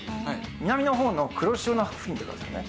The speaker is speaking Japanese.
南の方の黒潮の付近見てくださいね。